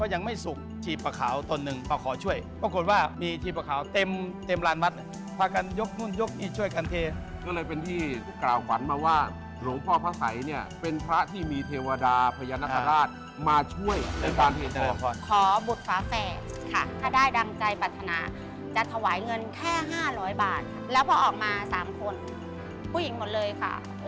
ยังหน้าเนี่ยรถจะฟ่ำแล้วเต้นเลยตึก